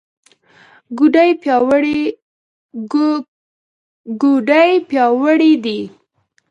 ګوډې پیاوړې دي.